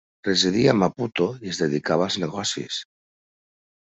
Residia a Maputo i es dedicava als negocis.